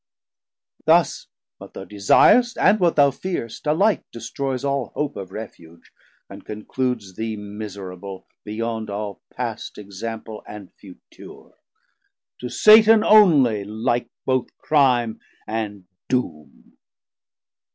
Thus what thou desir'st, And what thou fearst, alike destroyes all hope Of refuge, and concludes thee miserable Beyond all past example and future, 840 To Satan onely like both crime and doom.